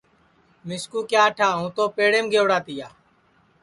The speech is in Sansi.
مِسکُو کیا ٹھا ہوں تو پیڑیم گئوڑا تیا